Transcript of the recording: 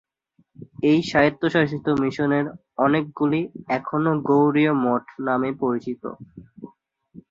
এই স্বায়ত্তশাসিত মিশনের অনেকগুলি এখনও গৌড়ীয় মঠ নামে পরিচিত।